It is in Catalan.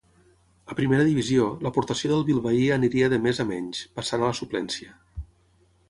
A primera divisió, l'aportació del bilbaí aniria de més a menys, passant a la suplència.